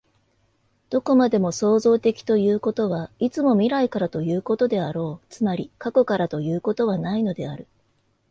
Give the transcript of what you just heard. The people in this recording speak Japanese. どこまでも創造的ということは、いつも未来からということであろう、つまり過去からということはないのである。